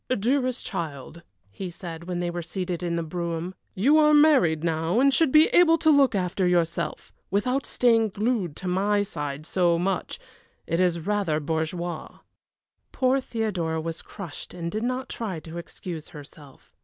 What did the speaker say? "Dearest child," he said, when they were seated in the brougham, "you are married now and should be able to look after yourself, without staying glued to my side so much it is rather bourgeois." Poor Theodora was crushed and did not try to excuse herself.